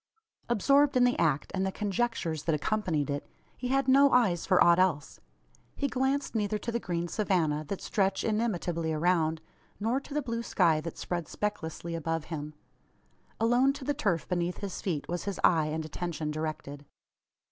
Absorbed in the act, and the conjectures that accompanied it, he had no eyes for aught else. He glanced neither to the green savannah that stretched inimitably around, nor to the blue sky that spread specklessly above him. Alone to the turf beneath his feet was his eye and attention directed.